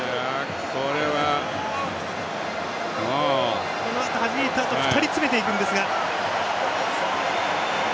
はじいたあと２人詰めていくんですが。